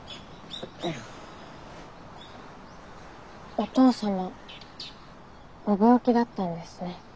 お父様ご病気だったんですね。